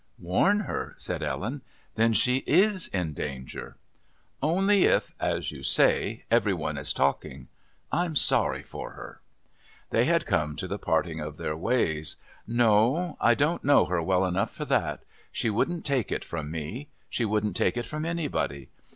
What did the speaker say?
"Warn her?" said Ellen. "Then she is in danger." "Only if, as you say, every one is talking. I'm sorry for her." They had come to the parting of their ways. "No. I don't know her well enough for that. She wouldn't take it from me. She wouldn't take it from anybody.